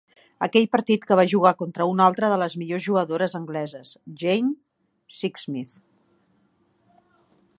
Aquell partit que va jugar contra una altra de les millors jugadores angleses, Jane Sixsmith.